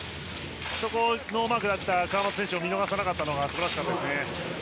そこノーマークだった川真田選手を見逃さなかったのが素晴らしいですね。